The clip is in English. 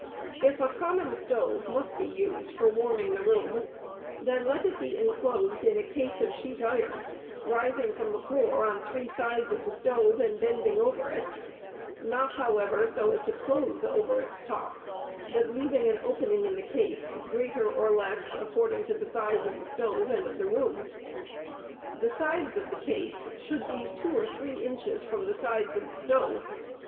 If a common stove must be used for warming the room, then let it be enclosed in a case of sheet iron, rising from the floor on three sides of the stove and bending over it ; not, however, so as to close over its top, but leaving an opening in the case, greater or less, according to the size of the stove and of the room. The sides of the case should be two or three inches from the sides of the stove.